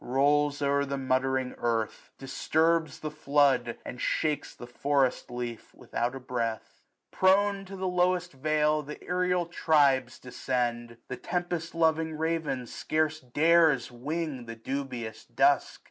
Rolls o'er the muttering earth, disturbs the flood. And shakes the forest leaf without a breath. 1 120 Prone, to the lowest vale, the aerial tribes Descend : the tempest loving raven scarce Dares wing the dubious dusk.